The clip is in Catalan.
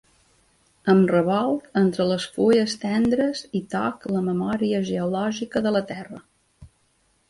Em rebolc entre les fulles tendres i toc la memòria geològica de la terra.